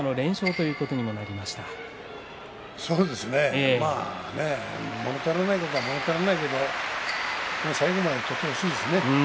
いやこれはもの足らないことはもの足らないけど最後までやってほしいですね。